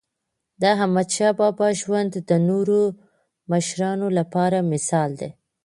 داحمدشاه بابا ژوند د نورو مشرانو لپاره مثال دی.